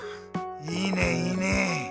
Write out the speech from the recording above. いいねいいね！